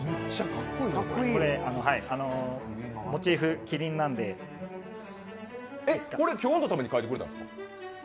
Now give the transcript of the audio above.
モチーフ、きりんなんでえっ、これ、今日のために描いてくれたんですか？